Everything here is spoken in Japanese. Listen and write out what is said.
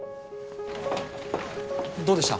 どうでした？